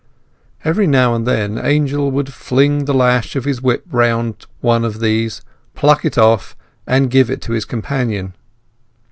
Every now and then Angel would fling the lash of his whip round one of these, pluck it off, and give it to his companion.